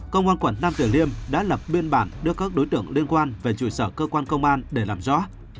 công an quận nam tử liêm đã lập biên bản đưa các đối tượng liên quan về trụ sở cơ quan công an để làm rõ